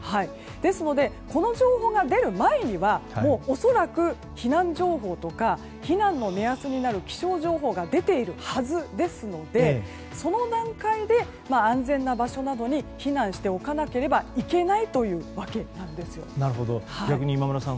ですので、この情報が出る前にはもう恐らく避難情報とか避難の目安になる気象情報が出ているはずですのでその段階で安全な場所などに避難しておかなければ逆に、今村さん。